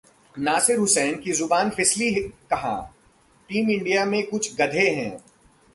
नासिर हुसैन की जुबान फिसली कहा, टीम इंडिया में कुछ ‘गधे’ हैं